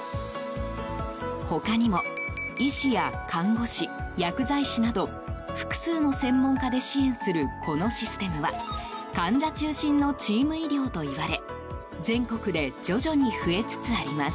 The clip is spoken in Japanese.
他にも医師や看護師、薬剤師など複数の専門家で支援するこのシステムは患者中心のチーム医療といわれ全国で徐々に増えつつあります。